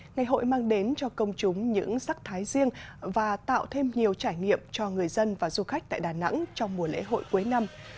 ngày hội mang đến cho công chúng những sắc thái riêng và tạo thêm nhiều trải nghiệm cho người dân và du khách tại đà nẵng trong mùa lễ hội cuối năm